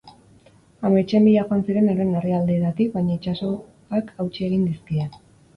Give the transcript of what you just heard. Ametsen bila joan ziren euren herrialdeetatik, baina itsasoak hautsi egin dizkie.